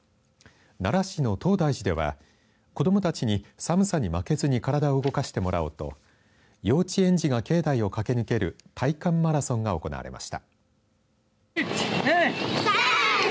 奈良市の東大寺では子どもたちに寒さに負けずに体を動かしてもらおうと幼稚園児が境内を駆け抜ける耐寒マラソンが行われました。